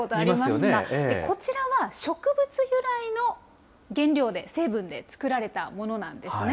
こちらは植物由来の原料で、成分で作られたものなんですね。